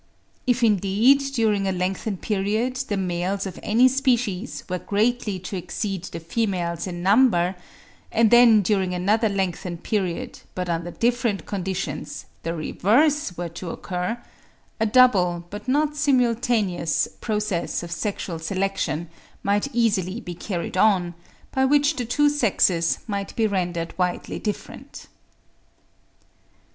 If, indeed, during a lengthened period the males of any species were greatly to exceed the females in number, and then during another lengthened period, but under different conditions, the reverse were to occur, a double, but not simultaneous, process of sexual selection might easily be carried on, by which the two sexes might be rendered widely different.